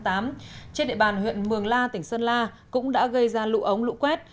trên địa bàn huyện mường la tỉnh sơn la cũng đã gây ra lũ ống lũ quét